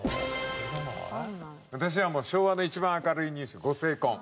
私は昭和の一番明るいニュース御成婚。